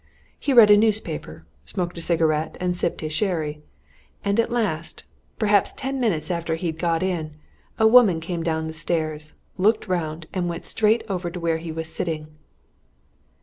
He read a newspaper, smoked a cigarette, and sipped his sherry. And at last perhaps ten minutes after he'd got in a woman came down the stairs, looked round, and went straight over to where he was sitting."